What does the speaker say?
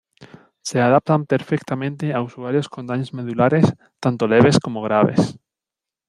Se adaptan perfectamente a usuarios con daños medulares tanto leves como graves.